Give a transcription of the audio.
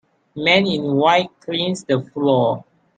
Man in white cleans the floor.